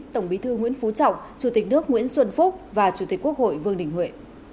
tổng bí thư nguyễn phú trọng chủ tịch nước nguyễn xuân phúc và chủ tịch quốc hội vương đình huệ